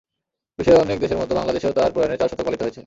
বিশ্বের অনেক দেশের মতোই বাংলাদেশেও তাঁর প্রয়াণের চার শতক পালিত হয়েছে।